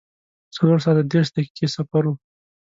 څلور ساعته دېرش دقیقې سفر و.